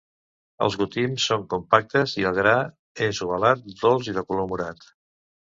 Els gotims són compactes i el gra és ovalat, dolç i de color morat.